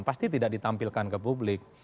pasti tidak ditampilkan ke publik